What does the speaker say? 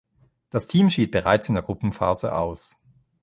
Das Team schied bereits in der Gruppenphase aus.